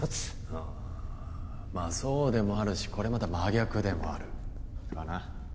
ああまあそうでもあるしこれまた真逆でもあるかな？